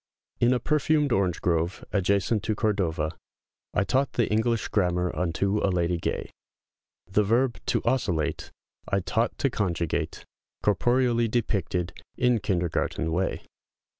] IN a perfumed orange grove, ajacent to Cordova, I taught the English Grammar unto a lady gay; The verb "to osculate" I taught to conjugate, Corporeally depicted, in kindergarten way.